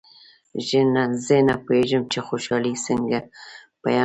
زه نه پوهېږم چې خوشالي څرنګه بیان کړم.